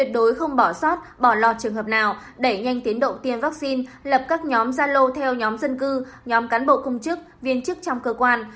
đối không bỏ sót bỏ lọt trường hợp nào đẩy nhanh tiến độ tiêm vaccine lập các nhóm gia lô theo nhóm dân cư nhóm cán bộ công chức viên chức trong cơ quan